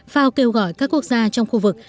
fao kêu gọi các quốc gia trong khu vực